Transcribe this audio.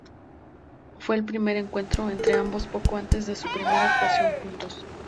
Fue el primer encuentro entre ambos poco antes de su primera actuación juntos.